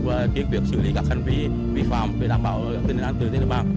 và kế hoạch xử lý các hành vi vi phạm để đảm bảo tình hạn tử đến nước bang